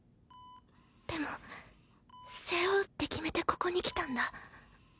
でも背負うって決めてここに来たんだ。